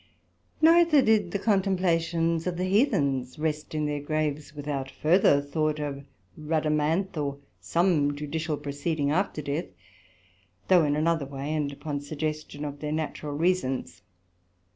Neither did the contemplations of the Heathens rest in their graves, without further thought of Rhadamanth or some judicial proceeding after death, though in another way, and upon suggestion of their natural reasons.